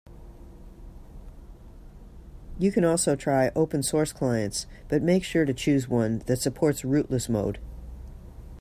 You can also try open source clients, but make sure to choose one that supports rootless mode.